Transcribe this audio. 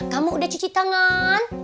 kamu udah cuci tangan